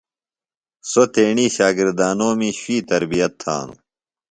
سوۡ تیݨی شاگردانومی شوئی تربیت تھانوۡ۔